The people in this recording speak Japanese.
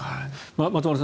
松丸さん